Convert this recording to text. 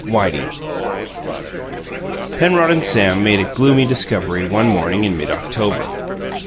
WHITEY Penrod and Sam made a gloomy discovery one morning in mid October.